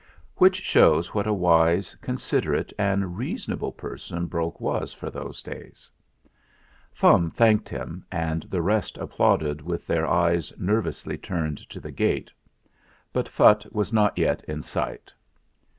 Which shows what a wise, considerate, and reasonable person Brok was for those days. Fum thanked him, and the rest applauded with their eyes nervously turned to the gate. But Phutt was not yet in sight.